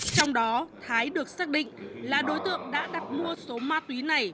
trong đó thái được xác định là đối tượng đã đặt mua số ma túy này